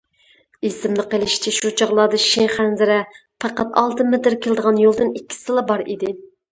ئېسىمدە قېلىشىچە، شۇ چاغلاردا شىخەنزىدە پەقەت ئالتە مېتىر كېلىدىغان يولدىن ئىككىسىلا بار ئىدى.